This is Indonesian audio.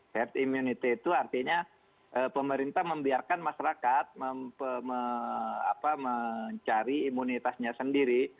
herd immunity itu artinya pemerintah membiarkan masyarakat mencari imunitasnya sendiri